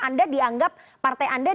anda dianggap partai anda